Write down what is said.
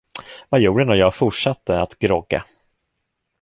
Majoren och jag fortsatte att grogga.